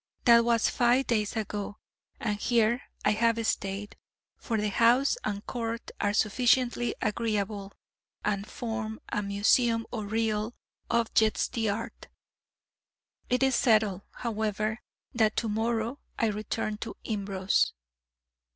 That was five days ago, and here I have stayed: for the house and court are sufficiently agreeable, and form a museum of real objets d'art. It is settled, however, that to morrow I return to Imbros.